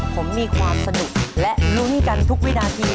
ผมมีความสนุกและลุ้นกันทุกวินาที